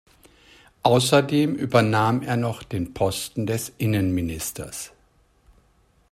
Außerdem übernahm er noch den Posten des Innenministers.